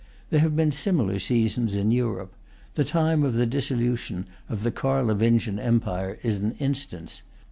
There have been similar seasons in Europe. The time of the dissolution of the Carlovingian empire is an instance.